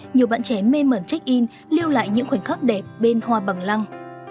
nhiều bạn trẻ mê mẩn check in lưu lại những khoảnh khắc đẹp bên hoa bằng lăng